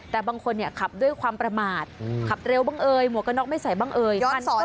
แต่บางคนเนี่ยขับด้วยความประมาทขับเร็วบ้างเอ่ยหมวกกระน็อกไม่ใส่บ้างเอ่ย